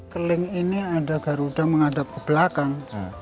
keleng ini ada garuda menghadap ke belakang